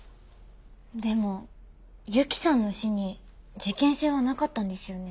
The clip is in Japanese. でもＹＵＫＩさんの死に事件性はなかったんですよね？